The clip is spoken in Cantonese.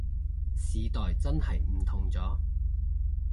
時代真係唔同咗